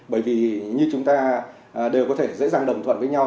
bởi vì như chúng ta đều có thể dễ dàng đồng thuận với nhau